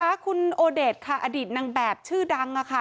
ค่ะคุณโอเดชค่ะอดีตนางแบบชื่อดังค่ะ